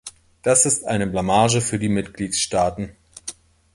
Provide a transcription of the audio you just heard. Das ist eine Blamage für die Mitgliedstaaten.